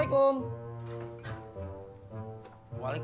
ini rumahnya mbak benaim